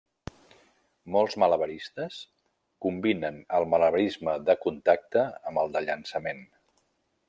Molts malabaristes combinen el malabarisme de contacte amb el de llançament.